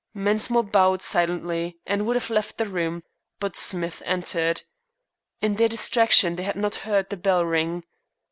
Mensmore bowed silently and would have left the room, but Smith entered. In their distraction they had not heard the bell ring.